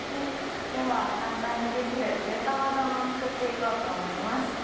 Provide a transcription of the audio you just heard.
今日は簡単にできる「牛玉丼」を作って行こうと思います。